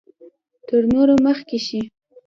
تر نورو مخکې شي.